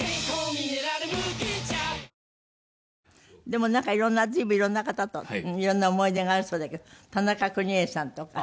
でもなんかいろんな随分いろんな方といろんな思い出があるそうだけど田中邦衛さんとか。